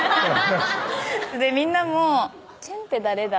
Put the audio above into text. みんなもちぇんって誰だ？